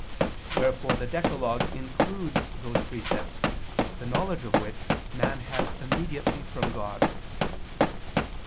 Wherefore the decalogue includes those precepts the knowledge of which man has immediately from God.